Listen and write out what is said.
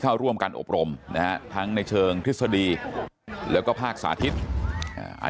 เข้าร่วมกันอบรมนะฮะทั้งในเชิงทฤษฎีแล้วก็ภาคสาธิตอ่า